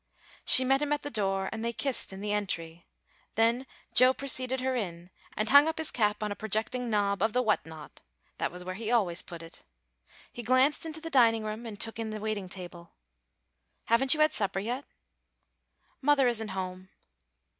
She met him at the door, and they kissed in the entry. Then Joe preceded her in, and hung up his cap on a projecting knob of the what not that was where he always put it. He glanced into the dining room and took in the waiting table. "Haven't you had supper yet!" "Mother isn't home."